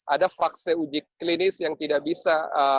ada fase uji klinis yang tidak bisa